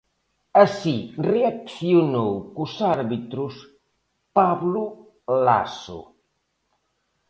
Así reaccionou cos árbitros Pablo Laso.